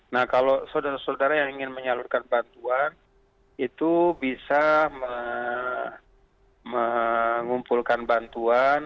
nah kalau saudara saudara yang ingin menyalurkan bantuan itu bisa mengumpulkan bantuan